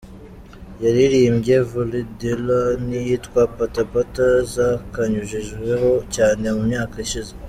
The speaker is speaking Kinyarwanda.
Yaririmbye ‘Vuli Ndlela’ n’iyitwa ‘Pata Pata’ zakanyujijeho cyane mu myaka ishize.